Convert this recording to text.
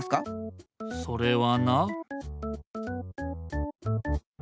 それはな。